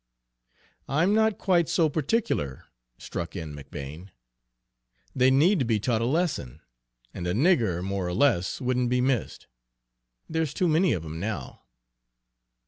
"I'm not quite so particular," struck in McBane. "They need to be taught a lesson, and a nigger more or less wouldn't be missed. There's too many of 'em now."